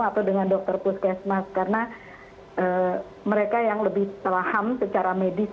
atau dengan dokter puskesmas karena mereka yang lebih saham secara medis